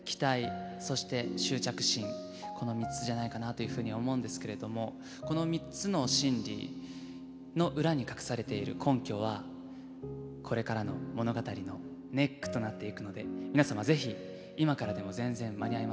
この３つじゃないかなというふうに思うんですけれどもこの３つの心理の裏に隠されている根拠はこれからの物語のネックとなっていくので皆様是非今からでも全然間に合いますので見て下さい。